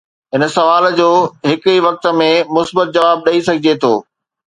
هن سوال جو هڪ ئي وقت ۾ مثبت جواب ڏئي سگهجي ٿو.